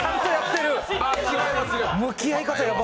向き合い方ヤバ。